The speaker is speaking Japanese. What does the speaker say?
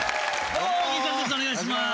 お願いします。